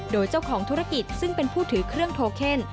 โดยเจ้าของธุรกิจซึ่งเป็นผู้ถือเครื่องโทเคน